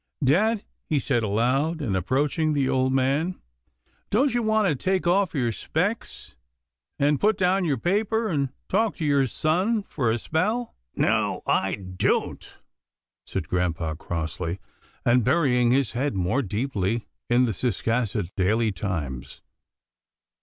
Dad," he said aloud, and approaching the old man, " don't you 314 HANK BREAKS IMPORTANT NEWS 315 want to take off your specs and put down your paper, and talk to your son for a spell ?"" No, I don't," said grampa crossly, and burying his head more deeply in the " Ciscasset Daily Times."